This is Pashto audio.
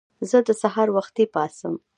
زه د سهار وختي پاڅم.